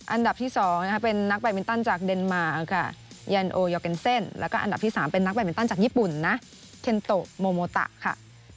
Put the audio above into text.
อันดับที่๒เป็นนักแบตมินตันจากเดนมา